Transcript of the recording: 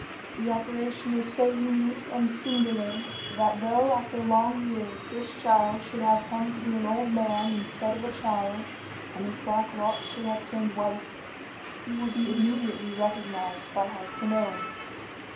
"The operation is so unique and singular that though after long years this child should have come to be an old man instead of a child, and his black locks should have turned white, he would be immediately recognized by Hardquanonne.